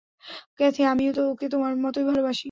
Kathy, আমিও ওকে তোমার মতই ভালোবাসি।